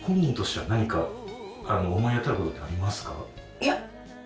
いや。